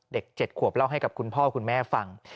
เด็ก๗ขวบเล่าให้กับคุณพ่อคุณแม่ฟัง